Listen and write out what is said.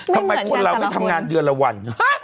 ทำไมคนเราไม่ทำงานเดือนละวัน